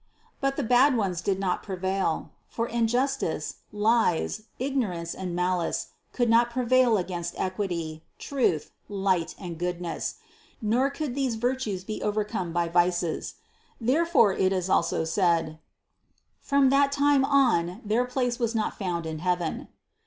"But the bad ones did not prevail" for injus tice, lies, ignorance and malice could not prevail against equity, truth, light and goodness ; nor could these virtues be overcome by vices. Therefore, it is also said : "From that time on their place was not found in heaven."